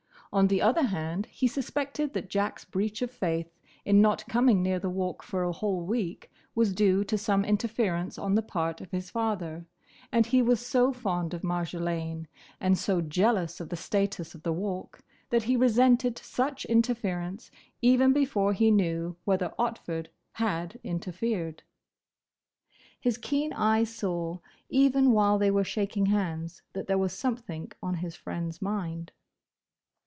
On the other hand he suspected that Jack's breach of faith in not coming near the Walk for a whole week was due to some interference on the part of his father, and he was so fond of Marjolaine, and so jealous of the status of the Walk, that he resented such interference even before he knew whether Otford had interfered. His keen eye saw, even while they were shaking hands, that there was something on his friend's mind.